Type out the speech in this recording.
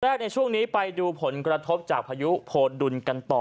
ในช่วงนี้ไปดูผลกระทบจากพายุโพดุลกันต่อ